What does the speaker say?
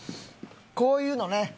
こういうのね。